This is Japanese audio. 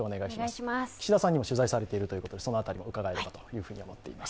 岸田さんにも取材されているということで、その辺りを伺えればと思っています。